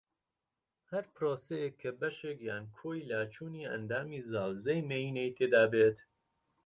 ھەر پرۆسەیەک کە بەشێک یان کۆی لاچوونی ئەندامی زاوزێی مێینەی تێدا بێت